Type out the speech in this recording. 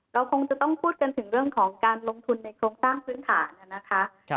เราคงจะต้องพูดกันถึงเรื่องของการลงทุนในโครงสร้างพื้นฐานนะคะ